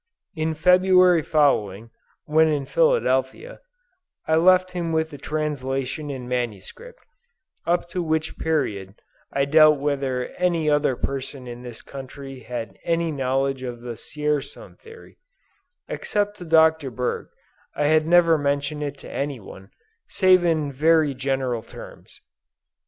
In February following, when in Philadelphia, I left with him the translation in manuscript up to which period, I doubt whether any other person in this country had any knowledge of the Dzierzon theory; except to Dr. Berg I had never mentioned it to any one, save in very general terms.